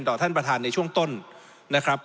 ท่านประธานในช่วงต้นนะครับ